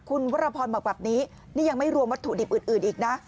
คุณวรพรบอกแบบนี้นี่ยังไม่รวมวัตถุดิบอื่นอีกนะ